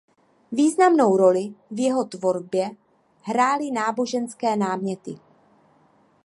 Významnou roli v jeho tvorbě hrály náboženské náměty.